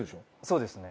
そうですね。